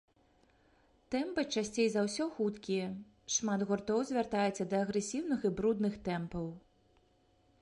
Тэмпы часцей за ўсё хуткія, шмат гуртоў звяртаюцца да агрэсіўных і брудных тэмпаў.